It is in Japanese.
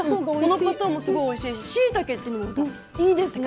このパターンもすごくおいしいししいたけっていうのもいいですね。